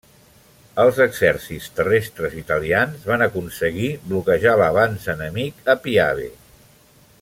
Els exèrcits terrestres italians van aconseguir bloquejar l'avanç enemic a Piave.